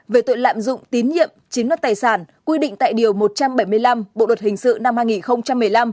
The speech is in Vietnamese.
về tội lạm dụng tín nhiệm chiếm đoạt tài sản quy định tại điều một trăm bảy mươi năm bộ luật hình sự năm hai nghìn một mươi năm